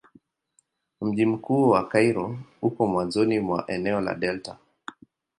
Mji mkuu wa Kairo uko mwanzoni mwa eneo la delta.